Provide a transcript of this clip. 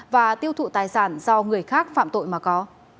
và tiêu thụ tài sản do người khác phạm tội mà có